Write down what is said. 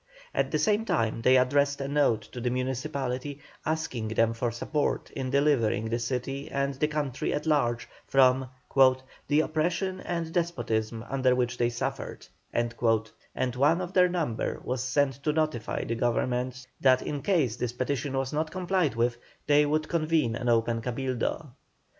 At the same time they addressed a note to the municipality, asking them for support in delivering the city and the country at large from "the oppression and despotism under which they suffered"; and one of their number was sent to notify the Government that in case this petition was not complied with they would convene an open Cabildo.